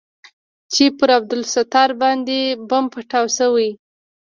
چې پر عبدالستار باندې بم پټاو سوى.